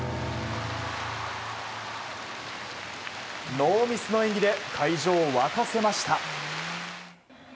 ノーミスの演技で会場を沸かせました。